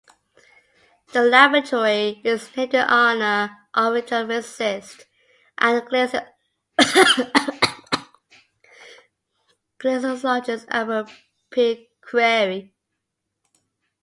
The laboratory is named in honor of geophysicist and glaciologist Albert P. Crary.